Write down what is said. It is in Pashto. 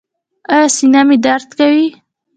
ایا سینه مو درد کوي؟